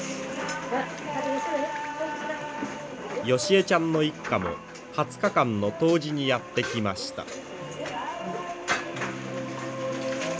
ヨシエちゃんの一家も２０日間の湯治にやって来ました。